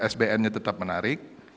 sbn nya tetap menarik